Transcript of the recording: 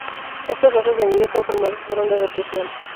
Estos lazos y anillos son formados por ondas de presión.